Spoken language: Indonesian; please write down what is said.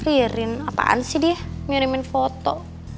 ih rin apaan sih dia mirimin foto